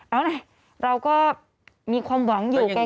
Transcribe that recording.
เอานะเราก็มีความหวังอยู่แก